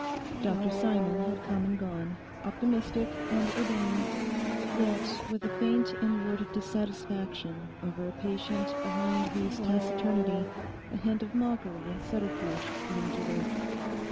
Dr Simon had come and gone, optimistic and urbane, yet with a faint inward dissatisfaction over a patient behind whose taciturnity a hint of mockery and subterfuge seemed to lurk.